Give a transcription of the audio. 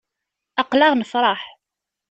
Aql-aɣ nefṛeḥ.